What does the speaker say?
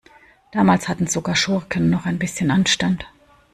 Damals hatten sogar Schurken noch ein bisschen Anstand.